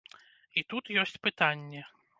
І тут ёсць пытанні.